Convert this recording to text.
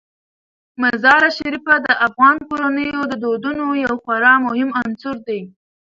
مزارشریف د افغان کورنیو د دودونو یو خورا مهم عنصر دی.